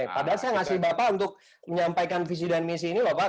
padahal saya ngasih bapak untuk menyampaikan visi dan misi ini loh pak